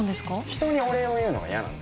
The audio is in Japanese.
人にお礼を言うのが嫌なんだよ。